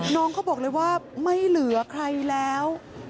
น้องเขาบอกเลยว่าไม่เหลือใครแล้ว